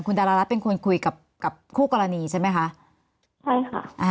คุณดารารับเป็นคนคุยกับคู่กรณีใช่ไหมคะ